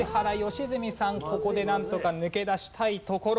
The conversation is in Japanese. ここでなんとか抜け出したいところ。